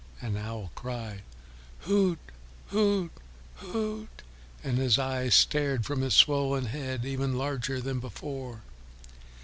And Owl cried, "Hoot, Hoot, Hoot," and his eyes stared from his swollen head even larger than before.